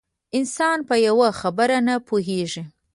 انسان په یوه خبره نه پوهېږي.